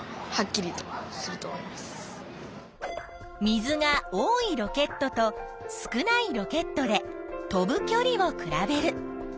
水が多いロケットと少ないロケットで飛ぶきょりを比べる。